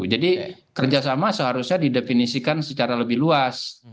jadi kerjasama seharusnya didefinisikan secara lebih luas